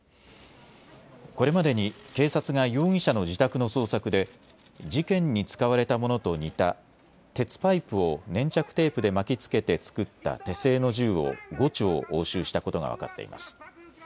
これまでに警察が容疑者の自宅の捜索で事件に使われたものと似た鉄パイプを粘着テープで巻きつけて作った手製の銃を５丁押収したことが分かっています。